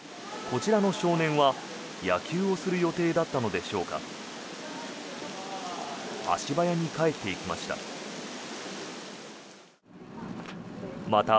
こちらの少年は、野球をする予定だったのでしょうか足早に帰っていきました。